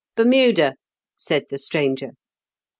" Bermuda," said the stranger.